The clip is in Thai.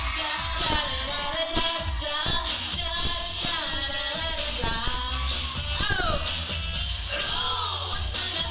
ฉันไม่รับฝันแต่ยังจะฟังคำตำนาน